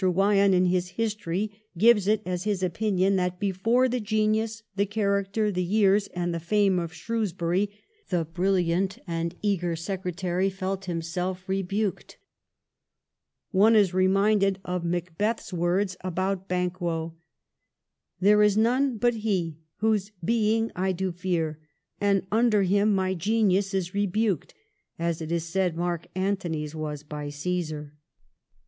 Wyon in his history gives it as his opinion that ' before the genius, the character, the years, and the fame of Shrewsbury the brilliant and eager Secretary felt himself rebuked.' One is re minded of Macbeth's words about Banquo — There is none but he Who's being I do fear ; and under him My genius is rebui'd ; as it is said Mark Antony's was by Caesar.